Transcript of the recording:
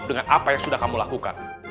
dengan apa yang sudah kamu lakukan